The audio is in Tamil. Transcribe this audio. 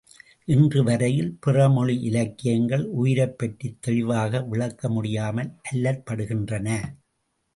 இன்று வரையில் பிறமொழி இலக்கியங்கள் உயிரைப்பற்றித் தெளிவாக விளக்க முடியாமல் அல்லற்படுகின்றன.